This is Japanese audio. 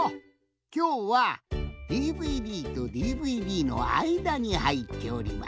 きょうはＤＶＤとＤＶＤのあいだにはいっております。